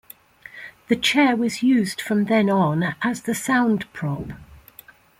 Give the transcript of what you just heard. The chair was used from then on as the sound prop.